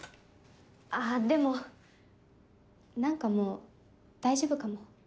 あぁでも何かもう大丈夫かも。